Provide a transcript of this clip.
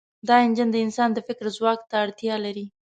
دا انجن د انسان د فکر ځواک ته اړتیا لري.